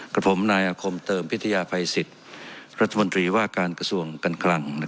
กับผมนายอาคมเติมพิทยาภัยสิทธิ์รัฐมนตรีว่าการกระทรวงการคลัง